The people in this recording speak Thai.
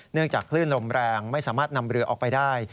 จากคลื่นลมแรงไม่สามารถนำเรือออกไปได้